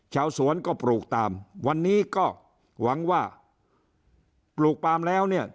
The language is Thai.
ชาวสวนก็ปลูกตามวันนี้ก็หวังว่าปลูกปลามแล้วเนี่ย